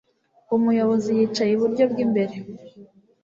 Umuyobozi yicaye iburyo bwimbere